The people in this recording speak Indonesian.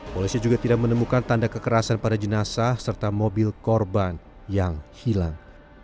polisi juga tidak menemukan tanda kekerasan pada jenazah serta mobil korban yang hilang